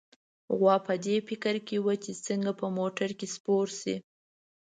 غوا په دې فکر کې وه چې څنګه په موټر کې سپور شي.